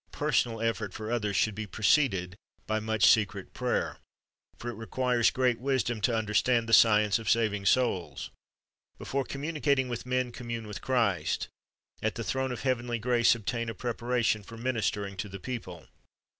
Personal effort for others should be preceded by much secret prayer; for it requires great wisdom to understand the science of saving souls. Before communicating with men, commune with Christ. At the throne of heavenly grace obtain a preparation for ministering to the people.